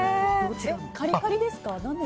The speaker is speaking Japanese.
カリカリですか？